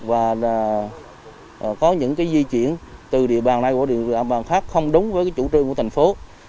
và có những di chuyển từ địa bàn này qua địa bàn khác không đúng với chủ trương của thành phố